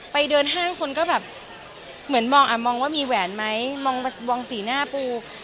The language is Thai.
ไปเดินห้างคนก็แบบเหมือนมองอ่ะมองว่ามีแหวนไหมมองสีหน้าปู